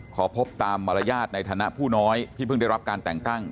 ขอพบตามมารยาทในฐานะผู้น้อยที่เพิ่งได้รับการแต่งตั้ง